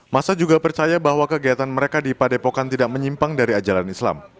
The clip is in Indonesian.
masa juga percaya bahwa kegiatan mereka di padepokan tidak menyimpang dari ajaran islam